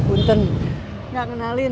unten gak kenalin